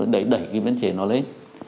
đẩy cái biến chế nó lên